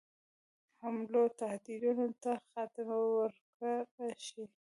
حملو تهدیدونو ته خاتمه ورکړه شي.